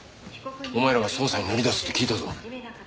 お前らが捜査に乗り出すって聞いたぞ。